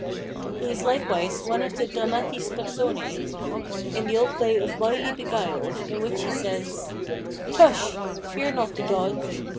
He is likewise one of the dramatis personæ in the old play of Wily Beguiled, in which he says— "Tush! fear not the dodge.